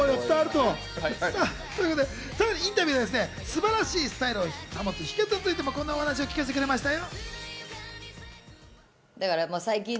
さらにインタビューでは素晴らしいスタイルを保つ秘訣についてもこんな話を聞かせてくれましたよ。